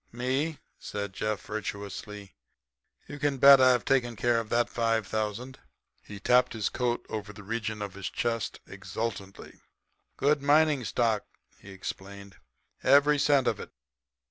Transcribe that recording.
"Me?" said Jeff, virtuously. "You can bet I've taken care of that five thousand." He tapped his coat over the region of his chest exultantly. "Gold mining stock," he explained, "every cent of it.